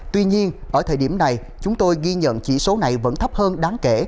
tuy nhiên ở thời điểm này chúng tôi ghi nhận chỉ số này vẫn thấp hơn đáng kể